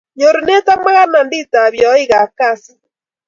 nyorunet ak makarnandit ap yaik ap kasit